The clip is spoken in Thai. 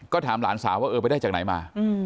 ก็ถามหลานสาวว่าเออไปได้จากไหนมา